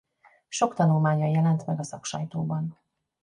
Sok tanulmánya jelent meg a szaksajtóban.